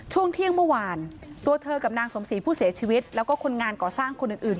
ช่วงเที่ยงเมื่อวานตัวเธอกับนางสมศรีผู้เสียชีวิตแล้วก็คนงานก่อสร้างคนอื่น